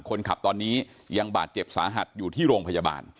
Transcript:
คนขับตอนนี้ยังบาดเจ็บสาหัสอยู่ที่โรงพยาบาล